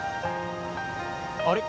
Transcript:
あれ？